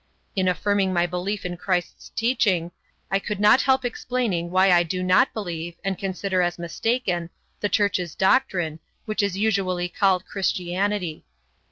In affirming my belief in Christ's teaching, I could not help explaining why I do not believe, and consider as mistaken, the Church's doctrine, which is usually called Christianity.